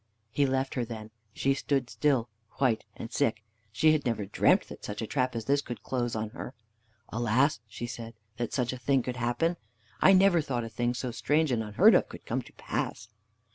He left her then. She stood still, white and sick. She had never dreamt that such a trap as this could close on her. "Alas," she said, "that such a thing could happen! I never thought a thing so strange and unheard of could come to pass!"